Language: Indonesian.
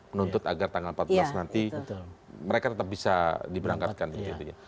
menuntut agar tanggal empat belas nanti mereka tetap bisa diberangkatkan begitu ya